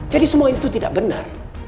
semua itu tidak benar